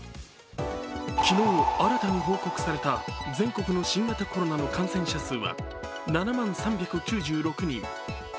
昨日新たに報告された全国の新型コロナの感染者数は７万３９６人。